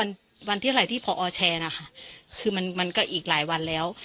วันที่เท่าไหร่ที่พอแชร์นะคะคือมันมันก็อีกหลายวันแล้ว